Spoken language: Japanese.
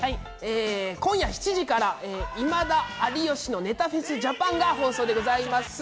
今夜７時から『今田・有吉のネタフェスジャパン』の放送でございます。